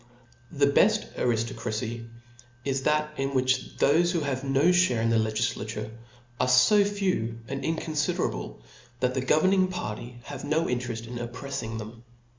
The beft ariftocracy is that in which thofe who have no fhare in the legiflature, are fo few and in conflderable, that the governing party have no in tcreft in opprefling them.